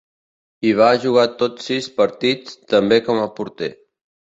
Hi va jugar tots sis partits, també com a porter.